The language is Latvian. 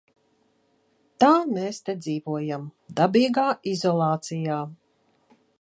Tā mēs te dzīvojam - dabīgā izolācijā.